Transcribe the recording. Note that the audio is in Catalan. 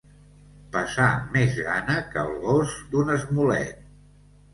Passar més gana que el gos d'un esmolet.